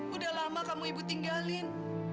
udah lama kamu ibu tinggalin